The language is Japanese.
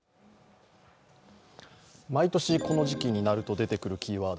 毎年、この時期になると出てくるキーワード